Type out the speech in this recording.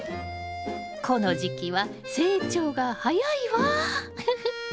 この時期は成長が早いわふふっ。